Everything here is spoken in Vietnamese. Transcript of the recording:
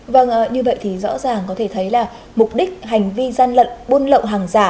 vâng như vậy thì rõ ràng có thể thấy là mục đích hành vi gian lận buôn lậu hàng giả